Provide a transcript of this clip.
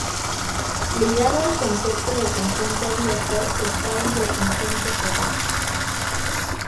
Ligado al concepto de conjunto abierto está el de conjunto cerrado.